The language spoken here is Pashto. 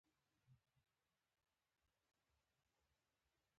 هغه دا چې سل کسه زندانیان ملګري به مې له بنده خلاصوې.